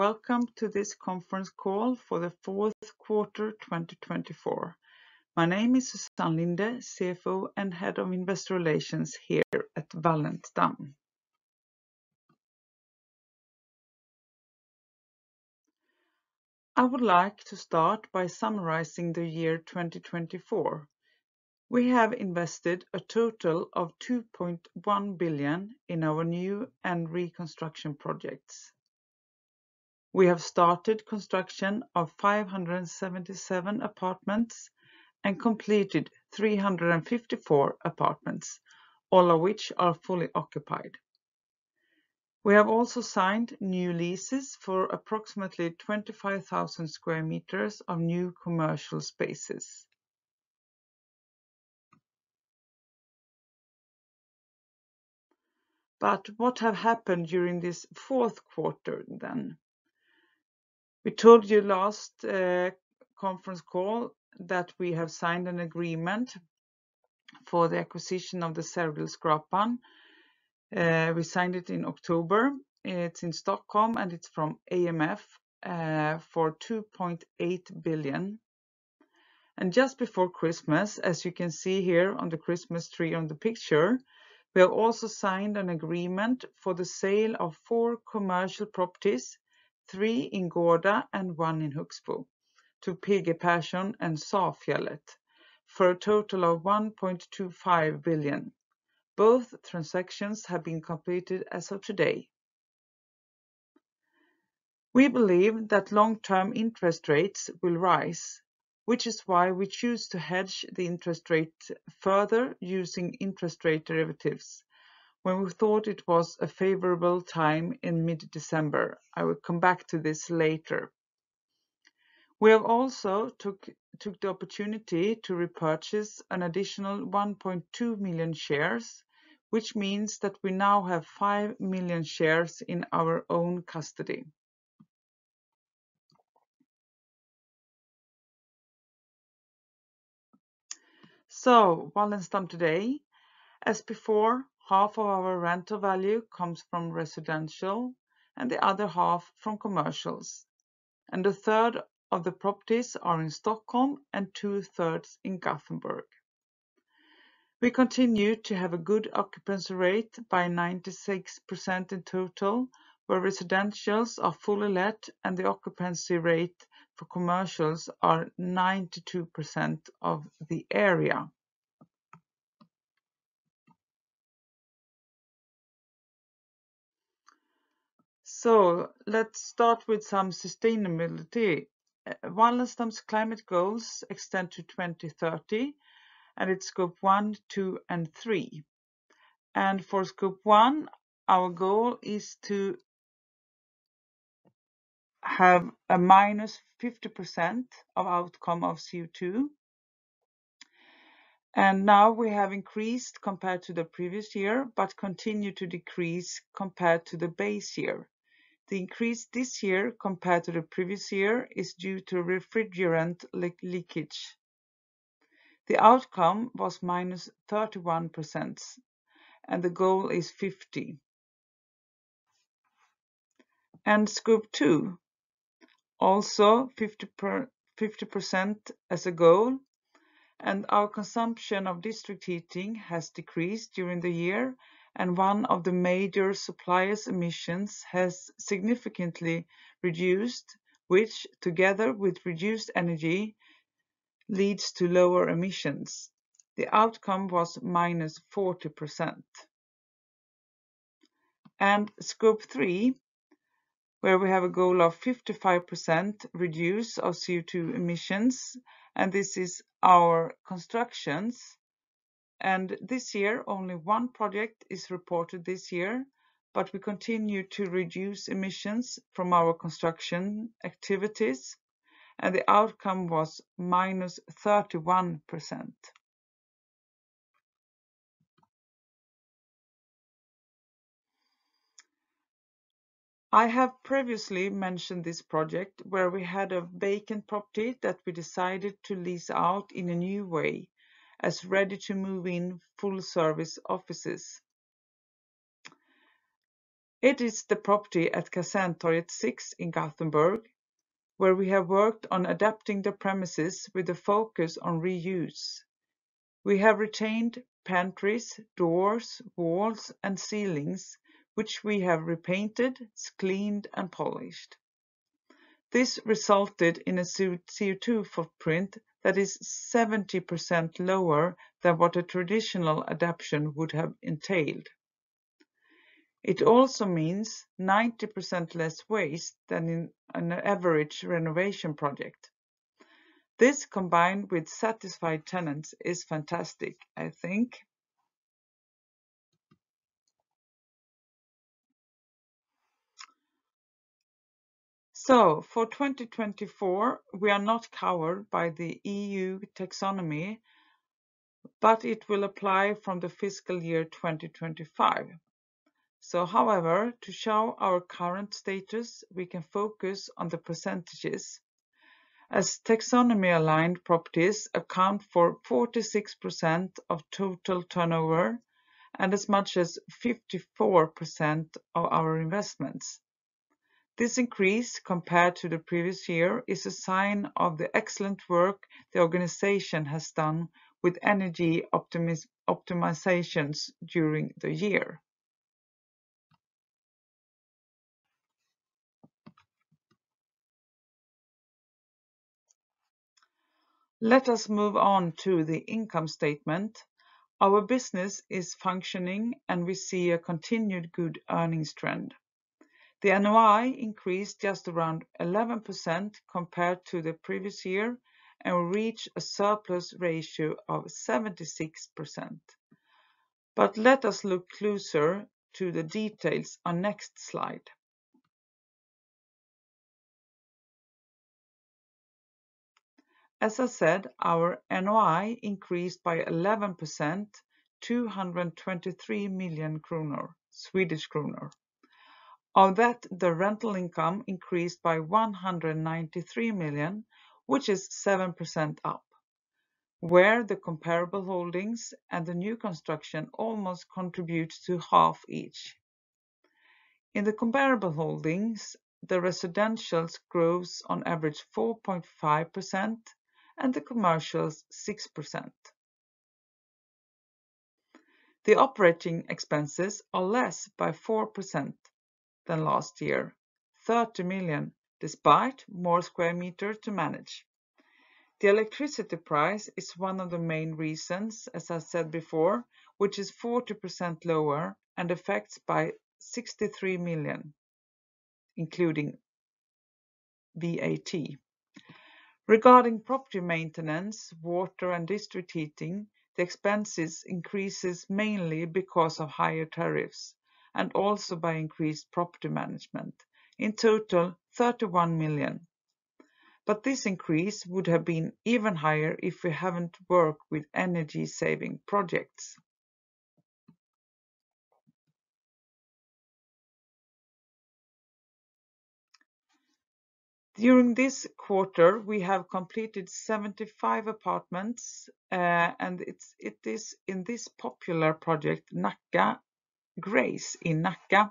Welcome to this conference call for the fourth quarter 2024. My name is Susann Linde, CFO and Head of Investor Relations here at Wallenstam. I would like to start by summarizing the year 2024. We have invested a total of 2.1 billion in our new and reconstruction projects. We have started construction of 577 apartments and completed 354 apartments, all of which are fully occupied. We have also signed new leases for approximately 25,000 square meters of new commercial spaces. But what has happened during this fourth quarter then? We told you last conference call that we have signed an agreement for the acquisition of the Sergelskrapan. We signed it in October. It's in Stockholm, and it's from AMF for 2.8 billion. Just before Christmas, as you can see here on the Christmas tree on the picture, we have also signed an agreement for the sale of four commercial properties, three in Gårda and one in Högsbo, to P.G. Persson and S.A. Fjället, for a total of 1.25 billion. Both transactions have been completed as of today. We believe that long-term interest rates will rise, which is why we choose to hedge the interest rate further using interest rate derivatives, when we thought it was a favorable time in mid-December. I will come back to this later. We have also took the opportunity to repurchase an additional 1.2 million shares, which means that we now have 5 million shares in our own custody. So, Wallenstam today, as before, half of our rental value comes from residential and the other half from commercials. A third of the properties are in Stockholm and two-thirds in Gothenburg. We continue to have a good occupancy rate by 96% in total, where residentials are fully let and the occupancy rate for commercials is 92% of the area. Let's start with some sustainability. Wallenstam's climate goals extend to 2030, and it's Scope 1, 2, and 3. For Scope 1, our goal is to have a minus 50% of outcome of CO2. Now we have increased compared to the previous year, but continue to decrease compared to the base year. The increase this year compared to the previous year is due to refrigerant leakage. The outcome was minus 31%, and the goal is 50. Scope 2, also 50% as a goal. Our consumption of district heating has decreased during the year, and one of the major suppliers' emissions has significantly reduced, which together with reduced energy leads to lower emissions. The outcome was minus 40%. Scope 3, where we have a goal of 55% reduce of CO2 emissions, and this is our constructions. This year, only one project is reported this year, but we continue to reduce emissions from our construction activities, and the outcome was minus 31%. I have previously mentioned this project where we had a vacant property that we decided to lease out in a new way, as ready to move in full-service offices. It is the property at Kaserntorget 6 in Gothenburg, where we have worked on adapting the premises with a focus on reuse. We have retained pantries, doors, walls, and ceilings, which we have repainted, cleaned, and polished. This resulted in a CO2 footprint that is 70% lower than what a traditional adaptation would have entailed. It also means 90% less waste than in an average renovation project. This, combined with satisfied tenants, is fantastic, I think. So, for 2024, we are not covered by the EU Taxonomy, but it will apply from the fiscal year 2025. So, however, to show our current status, we can focus on the percentages, as taxonomy-aligned properties account for 46% of total turnover and as much as 54% of our investments. This increase, compared to the previous year, is a sign of the excellent work the organization has done with energy optimizations during the year. Let us move on to the income statement. Our business is functioning, and we see a continued good earnings trend. The NOI increased just around 11% compared to the previous year and reached a surplus ratio of 76%. But let us look closer to the details on the next slide. As I said, our NOI increased by 11%, 223 million kronor, Swedish kronor. On that, the rental income increased by 193 million, which is 7% up, where the comparable holdings and the new construction almost contribute to half each. In the comparable holdings, the residentials grow on average 4.5% and the commercials 6%. The operating expenses are less by 4% than last year, 30 million, despite more square meters to manage. The electricity price is one of the main reasons, as I said before, which is 40% lower and affects by 63 million, including VAT. Regarding property maintenance, water, and district heating, the expenses increase mainly because of higher tariffs and also by increased property management, in total 31 million. But this increase would have been even higher if we hadn't worked with energy-saving projects. During this quarter, we have completed 75 apartments, and it is in this popular project, Nacka Grace in Nacka.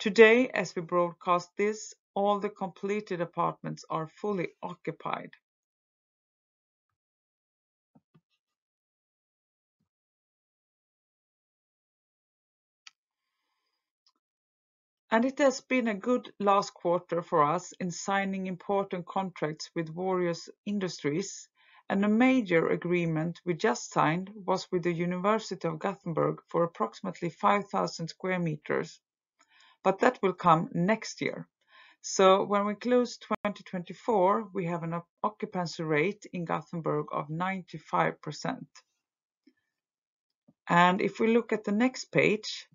Today, as we broadcast this, all the completed apartments are fully occupied. And it has been a good last quarter for us in signing important contracts with various industries. And a major agreement we just signed was with the University of Gothenburg for approximately 5,000 square meters, but that will come next year. So, when we close 2024, we have an occupancy rate in Gothenburg of 95%. And if we look at the next page,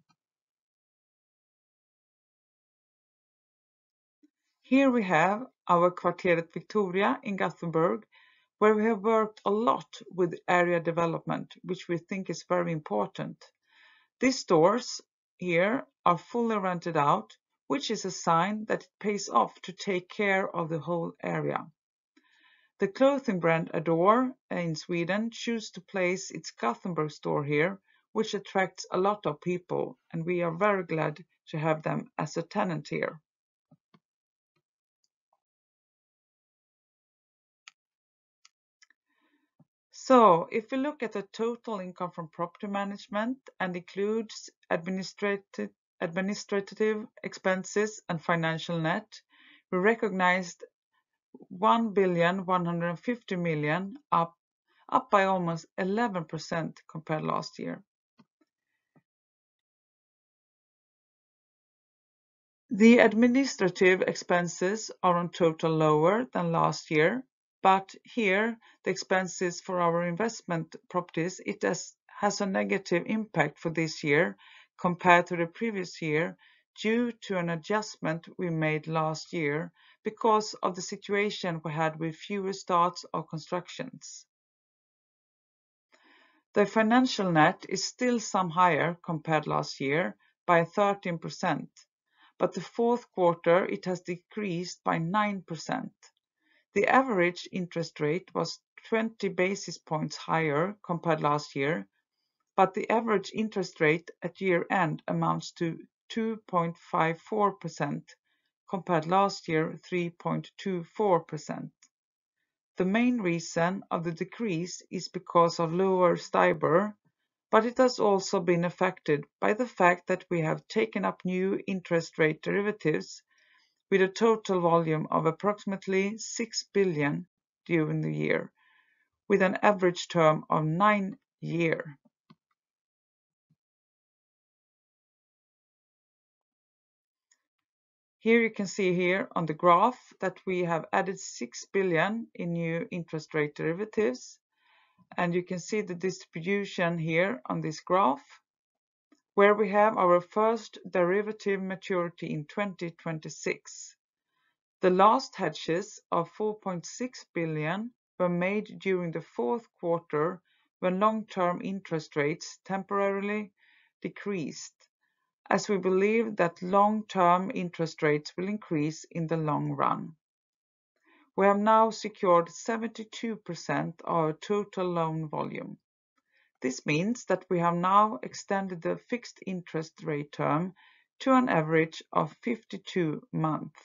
here we have our Kvarteret at Victoria in Gothenburg, where we have worked a lot with area development, which we think is very important. These stores here are fully rented out, which is a sign that it pays off to take care of the whole area. The clothing brand Adoore in Sweden chose to place its Gothenburg store here, which attracts a lot of people, and we are very glad to have them as a tenant here. So, if we look at the total income from property management and includes administrative expenses and financial net, we recognized 1.15 billion, up by almost 11% compared to last year. The administrative expenses are on total lower than last year, but here, the expenses for our investment properties, it has a negative impact for this year compared to the previous year due to an adjustment we made last year because of the situation we had with fewer starts of constructions. The financial net is still some higher compared to last year by 13%, but the fourth quarter, it has decreased by 9%. The average interest rate was 20 basis points higher compared to last year, but the average interest rate at year-end amounts to 2.54% compared to last year, 3.24%. The main reason of the decrease is because of lower STIBOR, but it has also been affected by the fact that we have taken up new interest rate derivatives with a total volume of approximately 6 billion during the year, with an average term of nine years. Here you can see here on the graph that we have added 6 billion in new interest rate derivatives, and you can see the distribution here on this graph, where we have our first derivative maturity in 2026. The last hedges of 4.6 billion were made during the fourth quarter when long-term interest rates temporarily decreased, as we believe that long-term interest rates will increase in the long run. We have now secured 72% of our total loan volume. This means that we have now extended the fixed interest rate term to an average of 52 months.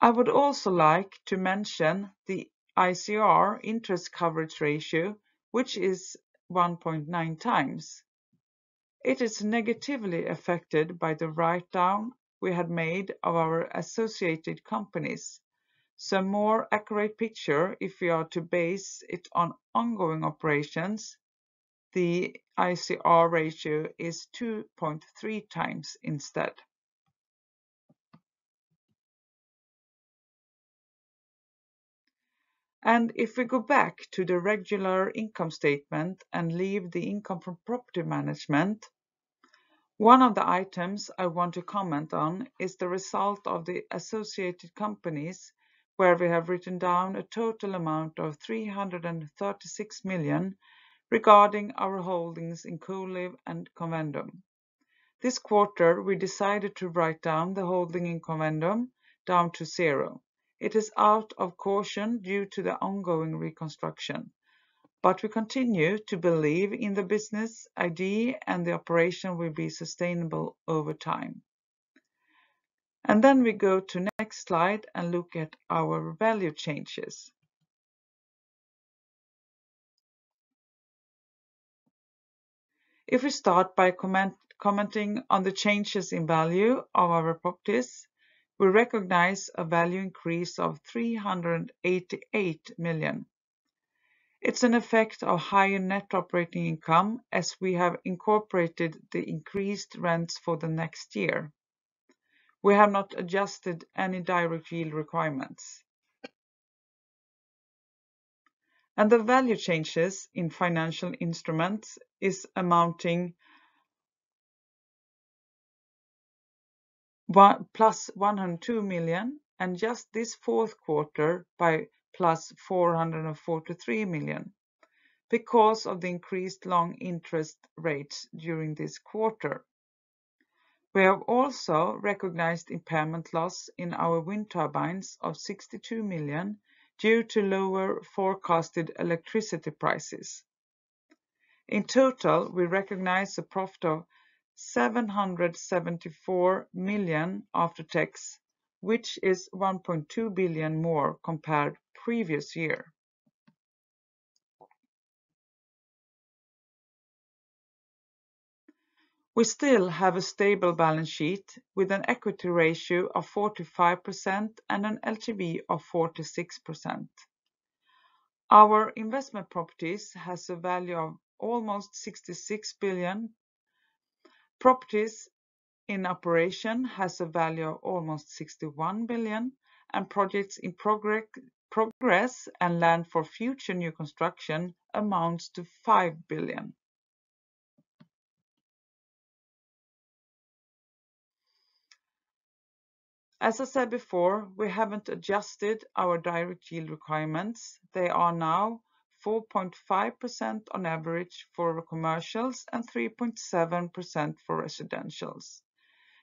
I would also like to mention the ICR interest coverage ratio, which is 1.9 times. It is negatively affected by the write-down we had made of our associated companies. So, a more accurate picture, if we are to base it on ongoing operations, the ICR ratio is 2.3x instead. If we go back to the regular income statement and leave the income from property management, one of the items I want to comment on is the result of the associated companies, where we have written down a total amount of 336 million regarding our holdings in Colive and Convendum. This quarter, we decided to write down the holding in Convendum down to zero. It is out of caution due to the ongoing reconstruction, but we continue to believe in the business idea and the operation will be sustainable over time. And then we go to the next slide and look at our value changes. If we start by commenting on the changes in value of our properties, we recognize a value increase of 388 million. It's an effect of higher net operating income as we have incorporated the increased rents for the next year. We have not adjusted any direct yield requirements, and the value changes in financial instruments is amounting plus 102 million and just this fourth quarter by plus 443 million because of the increased long interest rates during this quarter. We have also recognized impairment loss in our wind turbines of 62 million due to lower forecasted electricity prices. In total, we recognize a profit of 774 million after tax, which is 1.2 billion more compared to the previous year. We still have a stable balance sheet with an equity ratio of 45% and an LTV of 46%. Our investment properties have a value of almost 66 billion. Properties in operation have a value of almost 61 billion, and projects in progress and land for future new construction amount to SEK 5 billion. As I said before, we haven't adjusted our direct yield requirements. They are now 4.5% on average for commercials and 3.7% for residentials.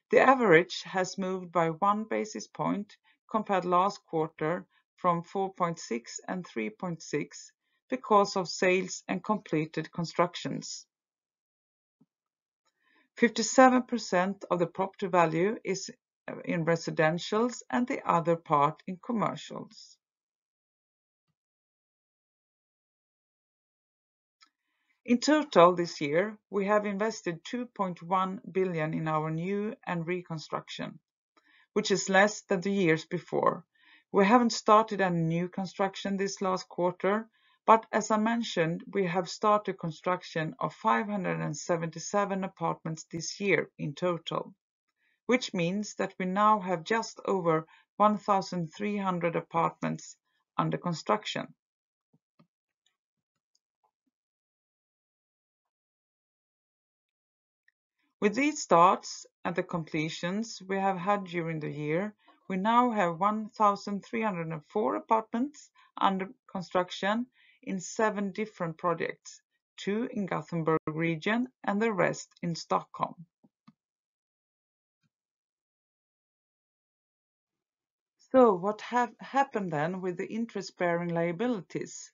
The average has moved by one basis point compared to last quarter from 4.6% and 3.6% because of sales and completed constructions. 57% of the property value is in residentials and the other part in commercials. In total, this year, we have invested 2.1 billion in our new and reconstruction, which is less than the years before. We haven't started any new construction this last quarter, but as I mentioned, we have started construction of 577 apartments this year in total, which means that we now have just over 1,300 apartments under construction. With these starts and the completions we have had during the year, we now have 1,304 apartments under construction in seven different projects, two in Gothenburg region and the rest in Stockholm. So, what has happened then with the interest-bearing liabilities?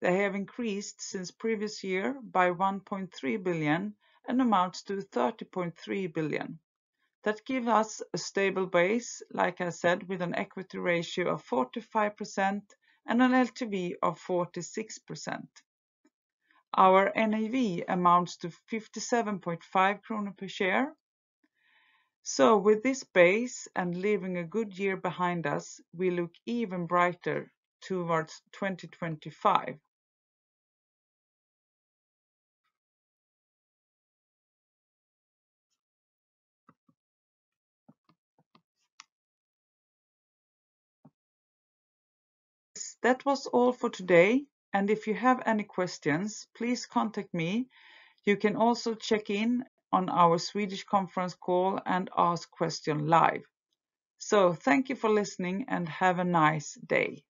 They have increased since previous year by 1.3 billion and amount to 30.3 billion. That gives us a stable base, like I said, with an equity ratio of 45% and an LTV of 46%. Our NAV amounts to 57.5 kronor per share. So, with this base and leaving a good year behind us, we look even brighter towards 2025. That was all for today, and if you have any questions, please contact me. You can also check in on our Swedish conference call and ask questions live. So, thank you for listening and have a nice day.